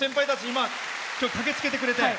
今日、駆けつけてくれて。